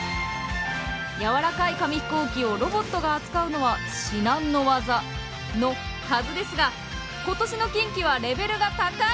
やわらかい紙ヒコーキをロボットが扱うのは至難の業のはずですが今年の近畿はレベルが高い！